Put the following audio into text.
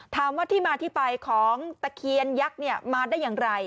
ถามว่าที่มาที่ไปของตะเคียนยักษ์มาได้อย่างไร